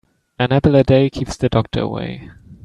An apple a day keeps the doctor away.